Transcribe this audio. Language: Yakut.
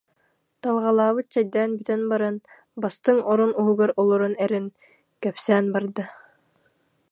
Талҕалаабыт чэйдээн бүтэн баран, бастыҥ орон уһугар олорон эрэн кэпсээн барда